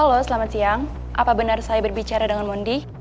halo selamat siang apa benar saya berbicara dengan mondi